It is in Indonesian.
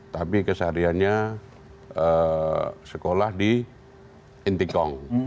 tapi kesahariannya sekolah di intikad